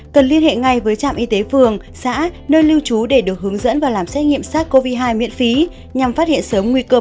cần liên hệ ngay với trạm y tế phường xã nơi lưu trú để được hướng dẫn và làm xét nghiệm sars cov hai miễn phí